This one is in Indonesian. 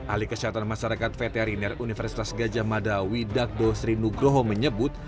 ahli kesehatan masyarakat veteriner universitas gajah mada widakdo sri nugroho menyebut